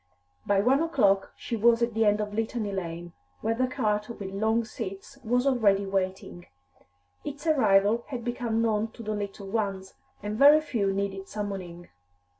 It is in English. By one o'clock she was at the end of Litany Lane, where the cart with long seats was already waiting; its arrival had become known to the little ones, and very few needed summoning.